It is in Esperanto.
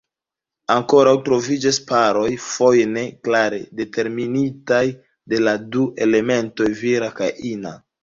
Ankoraŭ troviĝas paroj, foje ne klare determinitaj de la du elementoj vira kaj ina.